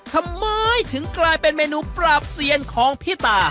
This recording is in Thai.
ทำไมถึงกลายเป็นเมนูปราบเซียนของพี่ตา